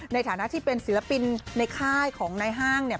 ในฐานะที่เป็นศิลปินในค่ายของนายห้างเนี่ย